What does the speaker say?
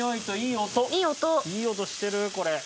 いい音してるこれ。